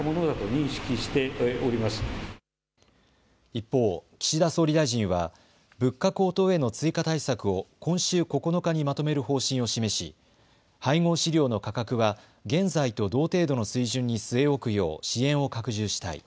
一方、岸田総理大臣は物価高騰への追加対策を今週９日にまとめる方針を示し配合飼料の価格は現在と同程度の水準に据え置くよう支援を拡充したい。